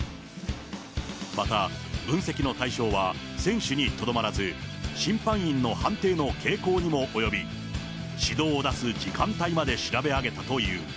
また、分析の対象は選手にとどまらず、審判員の判定の傾向にも及び、指導を出す時間帯まで調べ上げたという。